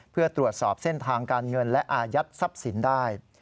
เพื่อตรวจสอบเส้นทางการเงินและอายัดทรัพย์สินได้